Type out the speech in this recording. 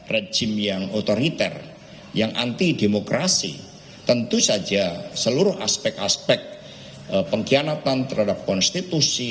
rejim yang otoriter yang anti demokrasi tentu saja seluruh aspek aspek pengkhianatan terhadap konstitusi